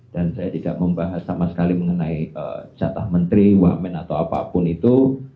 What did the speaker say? dan saya tidak membahas sama sekali mengenai catah menteri wamen atau apapun itu